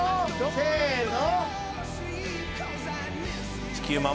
せの。